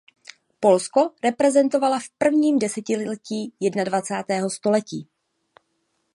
Polsko reprezentovala v prvním desetiletí jednadvacátého století.